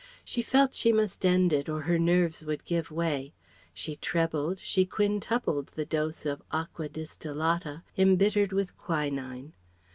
She felt she must end it, or her nerves would give way. She trebled, she quintupled the dose of aqua distillata embittered with quinine.